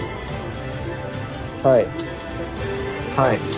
はいはい。